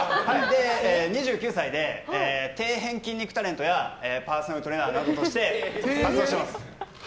２９歳で、底辺筋肉タレントやパーソナルトレーナーとして活動しています。